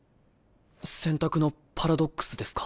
選択のパラドックスですか？